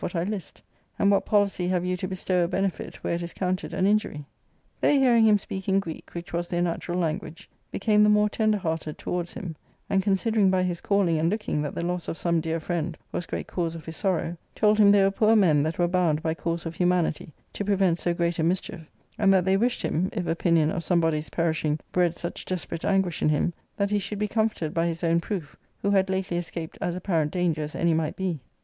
what I list ; and what policy have you to bestow a /'benefit where it is counted an injury ?" They hearing him speak in Greek, which was their natural language, became the more tender hearted towards him ; and considering by his calling and looking that the loss of some dear friend was great cause of his sorrow, told him they were poor men that were bound, by course of humanity, to prevent so great a mischief, and that they wished him, if opinion of some body's perishing bred such desperate anguish in him, that he should be comforted by his own proof, who had lately escaped as apparent danger as any might be.